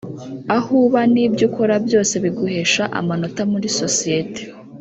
aho uba n’ibyo ukora byose biguhesha amanota muri sosiyete